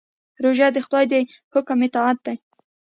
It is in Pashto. روژه د خدای د حکم اطاعت دی.